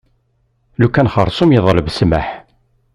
Lukan xersum yeḍleb ssmaḥ.